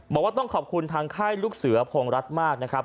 บอกว่าต้องขอบคุณทางค่ายลูกเสือพงรัฐมากนะครับ